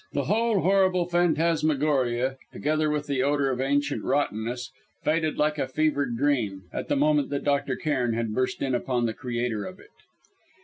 The whole horrible phantasmagoria together with the odour of ancient rottenness faded like a fevered dream, at the moment that Dr. Cairn had burst in upon the creator of it.